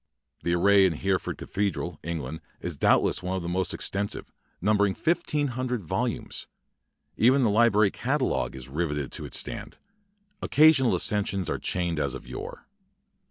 The array in Hereford Cathedra], England, is doubtless the most extensive, numbering fifteen hun dred volumes. Even the library cata logue is riveted to its stand. Occa 8 THE BOOKMAN MtaMMh sional accessions are chained as of yore.